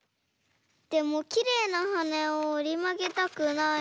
でもきれいなはねをおりまげたくないし。